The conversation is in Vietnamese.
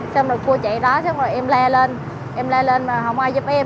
xong rồi cua chạy đó xong rồi em la lên em la lên mà không ai giúp em